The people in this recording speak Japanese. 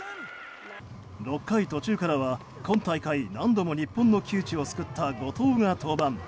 ６回途中からは今大会何度も日本の窮地を救った後藤が登板。